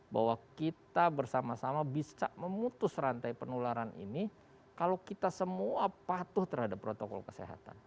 bahwa kita bersama sama bisa memutus rantai penularan ini kalau kita semua patuh terhadap protokol kesehatan